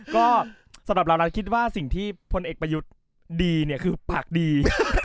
ก็สำหรับเราเราจะคิดว่าสิ่งที่พลเอกประยุทธ์ดีเนี่ยคือปากดี